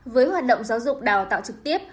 với hoạt động giáo dục đào tạo trực tiếp